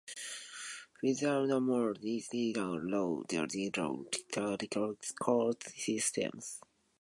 Furthermore, civil law jurisdictions in Latin America have a hierarchical court system.